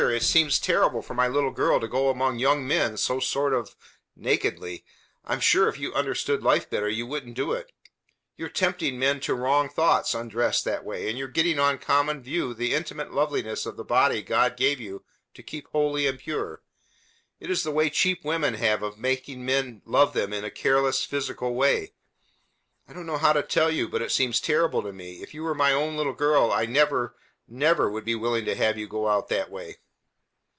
It seems terrible for my little girl to go among young men so sort of nakedly. I'm sure if you understood life better, you wouldn't do it. You are tempting men to wrong thoughts, undressed that way, and you are putting on common view the intimate loveliness of the body God gave you to keep holy and pure. It is the way cheap women have of making many men love them in a careless, physical way. I don't know how to tell you, but it seems terrible to me. If you were my own little girl, I never, never would be willing to have you go out that way."